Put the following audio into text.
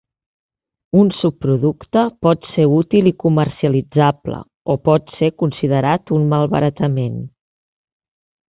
Un subproducte pot ser útil i comercialitzable o pot ser considerat un malbaratament.